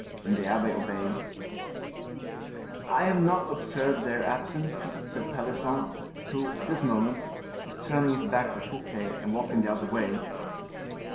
The abbe obeyed. "I have not observed their absence," said Pelisson, who, at this moment, was turning his back to Fouquet, and walking the other way.